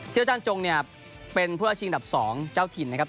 เซียวจ้างจงเป็นผู้อาชีพดับสองเจ้าถิ่นนะครับ